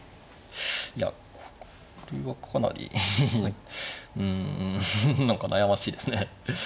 いやこれはかなりうん何か悩ましいですね。